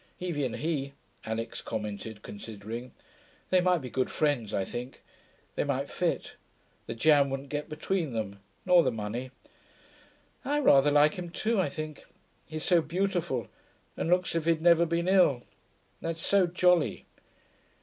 'Evie and he,' Alix commented, considering them. 'They might be good friends, I think. They might fit. The jam wouldn't get between them nor the money.... I rather like him too, I think. He's so beautiful, and looks as if he'd never been ill. That's so jolly.'